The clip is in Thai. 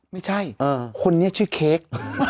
ไม่ใช่คนนี้ชื่อเค้ก